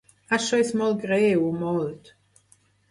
Això és molt greu, molt.